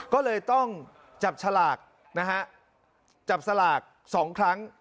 ก็เลยต้องจับฉลากนะฮะจับสลาก๒ครั้ง